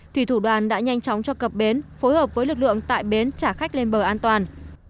thủy thủ đoàn đã nhanh chóng cho cặp bến phối hợp với lực lượng tại bến trả khách lên bờ an toàn